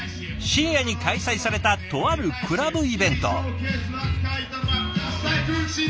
深夜に開催されたとあるクラブイベント。